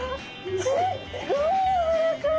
すっごいやわらかい！